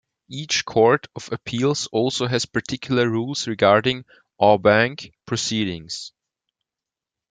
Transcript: Each court of appeals also has particular rules regarding "en banc" proceedings.